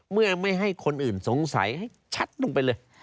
เมื่อไม่ให้คนอื่นสงสัยให้ชัดลงไปเลย